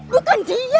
bukan dia pa